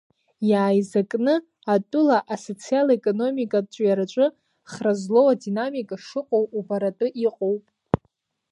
Иааизакны атәыла асоциал-економикатә ҿиараҿы хра злоу адинамика шыҟоу убаратәы иҟоуп…